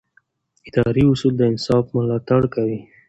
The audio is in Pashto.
اداري اصول د انصاف ملاتړ کوي.